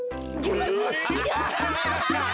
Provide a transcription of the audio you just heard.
アハハハハ！